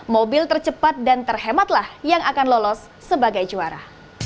mobil tercepat dan terhematlah yang akan lolos sebagai juara